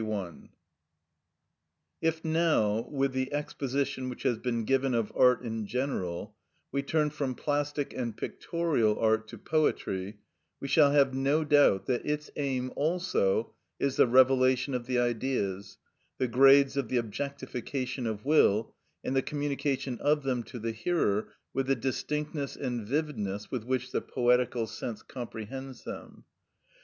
§ 51. If now, with the exposition which has been given of art in general, we turn from plastic and pictorial art to poetry, we shall have no doubt that its aim also is the revelation of the Ideas, the grades of the objectification of will, and the communication of them to the hearer with the distinctness and vividness with which the poetical sense comprehends them.